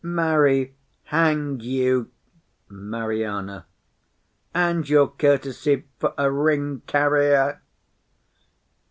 Marry, hang you! MARIANA. And your courtesy, for a ring carrier!